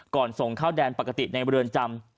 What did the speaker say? ก่อนส่งเข้าแดนปกติในเมืองจำ